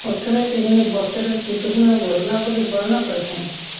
প্রথমে তিনি বছরের গুরুত্বপূর্ণ ঘটনাবলী বর্ণনা করেছেন।